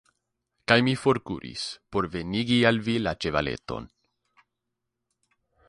kaj mi forkuris, por venigi al vi la ĉevaleton.